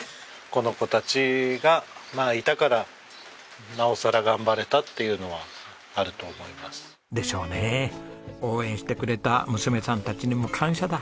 この子たちがいたからなおさら頑張れたっていうのはあると思います。でしょうね。応援してくれた娘さんたちにも感謝だ。